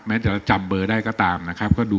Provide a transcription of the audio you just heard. จะจำเบอร์ได้ก็ตามนะครับ